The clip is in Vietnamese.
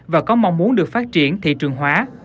và có mong muốn được phát triển thị trường hóa